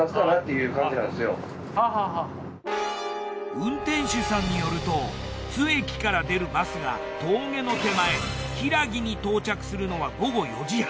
運転手さんによると津駅から出るバスが峠の手前平木に到着するのは午後４時半。